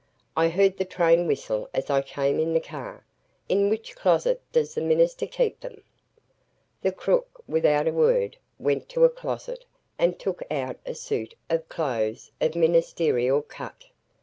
I heard the train whistle as I came in the car. In which closet does the minister keep them?" The crook, without a word, went to a closet and took out a suit of clothes of ministerial cut.